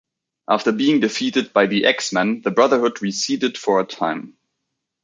After being defeated by the X-Men, the Brotherhood receded for a time.